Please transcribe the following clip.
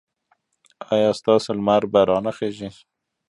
ایا ستاسو لمر به را نه خېژي؟